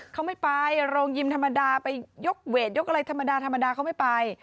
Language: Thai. เขาไม่ไปโรงยิมธรรมดาไปยกเวทยกอะไรธรรมดาธรรมดาเขาไม่ไป